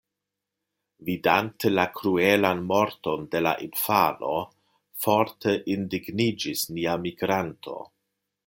Vidante la kruelan morton de la infano forte indigniĝis nia migranto.